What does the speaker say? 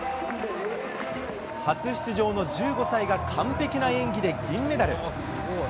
初出場の１５歳が、完璧な演技で銀メダル。